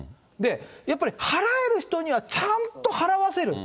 やっぱり払える人にはちゃんと払わせる。